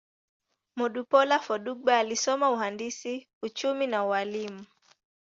Modupeola Fadugba alisoma uhandisi, uchumi, na ualimu.